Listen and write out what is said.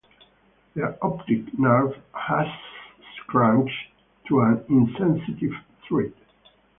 Their optic nerve has shrunk to an insensitive thread.